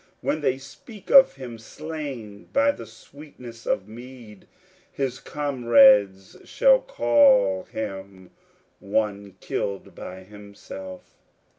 When they speak of him slain by the sweetness of mead, His comrades shall call him one killed by himself.